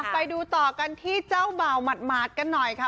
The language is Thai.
ไปดูต่อกันที่เจ้าบ่าวหมาดกันหน่อยค่ะ